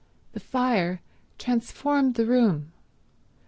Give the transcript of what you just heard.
The fire transformed the room.